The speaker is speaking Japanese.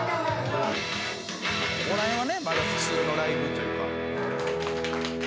ここら辺はねまだ普通のライブというか。